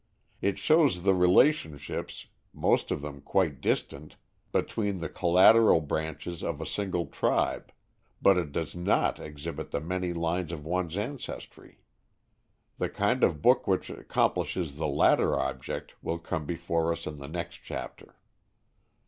It shows the relationships, most of them quite distant, between the collateral branches of a single tribe; but it does not exhibit the many lines of one's ancestry. The kind of book which accomplishes the latter object will come before us in the next chapter.